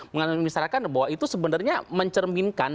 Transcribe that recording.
mengatakan misalkan bahwa itu sebenarnya mencerminkan